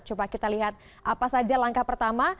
coba kita lihat apa saja langkah pertama